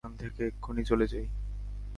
চল এখান থেকে এক্ষুনি চলে যাই।